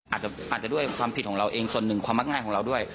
อาจจะด้วยความผิดของเราเองส่วนหนึ่งความมักง่ายของเราด้วย